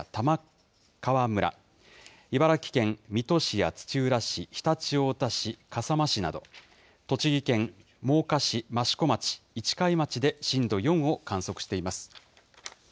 茨城県水戸市や土浦市、常陸太田市、笠間市など、栃木県真岡市、益子町、市貝町で震度４を観測しています。